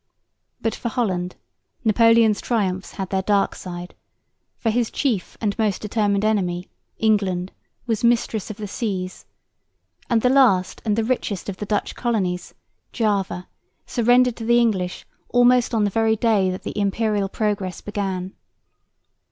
But for Holland Napoleon's triumphs had their dark side, for his chief and most determined enemy, England, was mistress of the seas; and the last and the richest of the Dutch colonies, Java, surrendered to the English almost on the very day that the Imperial progress began.